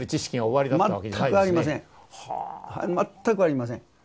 全くありません。